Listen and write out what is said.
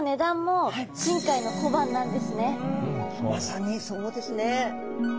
え何かまさにそうですね。